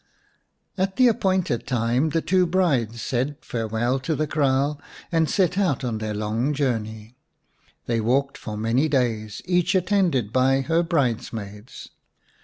At the appointed time the two brides said farewell to the kraal, and set out on their long journey. They walked for many days, each attended by her bridesmaids.